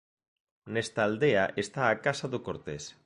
Nesta aldea está a Casa do Cortés.